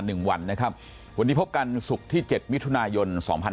หนึ่งวันนะครับวันนี้พบกันศุกร์ที่เจ็ดมิถุนายนสองพัน